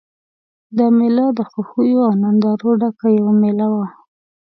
دا مېله د خوښیو او نندارو ډکه یوه مېله وه.